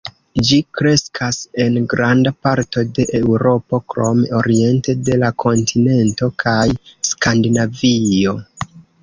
Ĝi kreskas en granda parto de Eŭropo krom oriente de la kontinento kaj Skandinavio.